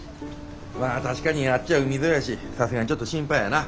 まあ確かにあっちは海沿いやしさすがにちょっと心配やな。